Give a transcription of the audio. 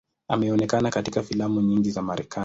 Ameonekana katika filamu nyingi za Marekani.